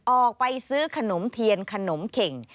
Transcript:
ออกไปซื้อขนมเทียนขนมเข่ง